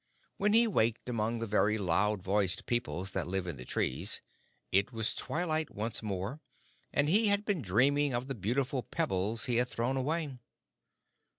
When he waked among the very loud voiced peoples that live in the trees, it was twilight once more, and he had been dreaming of the beautiful pebbles he had thrown away.